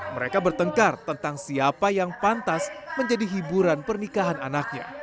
mereka bertengkar tentang siapa yang pantas menjadi hiburan pernikahan anaknya